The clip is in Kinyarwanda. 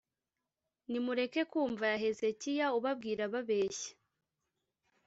Nimureke kumva aya Hezekiya ubabwira ababeshya